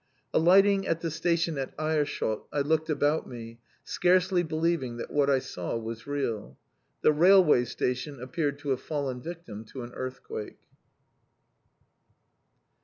Alighting at the station at Aerschot, I looked about me, scarcely believing that what I saw was real. The railway station appeared to have fallen victim to an earthquake.